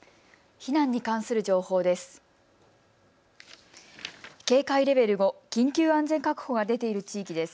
避難に関する情報です。